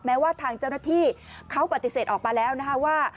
แม้ว่าทางเจ้าหน้าที่เขาปฏิเสธออกมาแล้วนะคะว่า